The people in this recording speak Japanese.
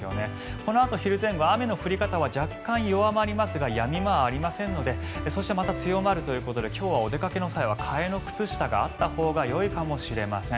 このあと昼前後、雨の降り方は若干弱まりますがやみ間はありませんのでそしてまた強まるということで今日はお出かけの際は替えの靴下があったほうがよいかもしれません。